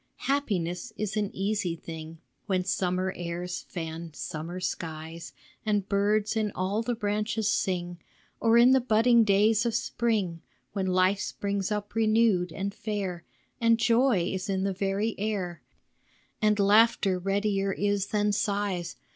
Happiness is an easy thing When summer airs fan summer skies, And birds in all the branches sing ; Or in the budding days of spring, When life springs up renewed and fair, And joy is in the very air, And laughter readier is than sighs.